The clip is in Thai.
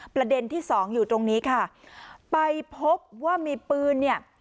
ประเด็นที่สองอยู่ตรงนี้ค่ะไปพบว่ามีปืนเนี่ย